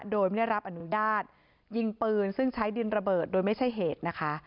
โดยไม่ได้รับอนุญาตยิงปืนซึ่งใช้ดินระเบิดโดยไม่ใช่เหตุนะคะ